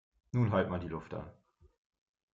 Nun halt mal die Luft an!